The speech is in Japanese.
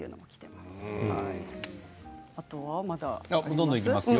どんどんいきますよ。